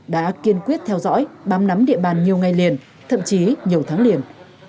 đã kiên quyết theo dõi bám nắm địa bàn nhiều ngày liền thậm chí nhiều tháng liền